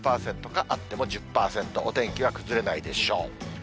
０％か、あっても１０％、お天気は崩れないでしょう。